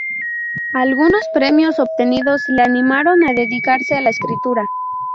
Algunos premios obtenidos le animaron a dedicarse a la escritura.